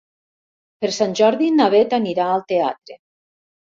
Per Sant Jordi na Beth anirà al teatre.